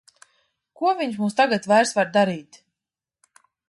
Ko viņš mums tagad vairs var darīt!